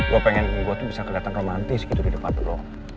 gue pengen gue tuh bisa kelihatan romantis gitu di depan lo